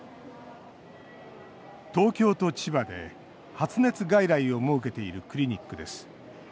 東京と千葉で、発熱外来を設けているクリニックです。